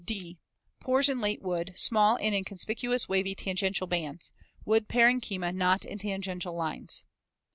(d) Pores in late wood small and in conspicuous wavy tangential bands. Wood parenchyma not in tangential lines.